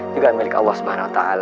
juga milik allah swt